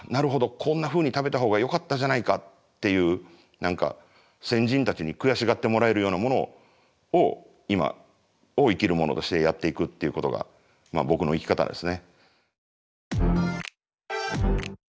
こんなふうに食べたほうがよかったじゃないか」っていう何か先人たちに悔しがってもらえるようなものをいまを生きる者としてやっていくっていうことが僕の生き方ですね。